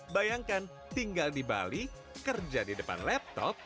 bayangkan tinggal di bali kerja di depan laptop